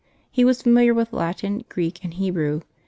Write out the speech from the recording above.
He was familiar with Latin, Greek, and Hebrew.